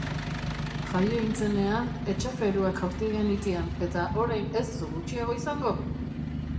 Jaio hintzenean etxaferuak jaurti genitian, eta orain ez duk gutxiago izango!